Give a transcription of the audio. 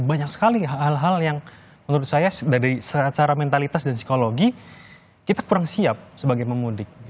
banyak sekali hal hal yang menurut saya dari secara mentalitas dan psikologi kita kurang siap sebagai pemudik